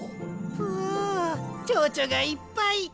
ぷちょうちょがいっぱい！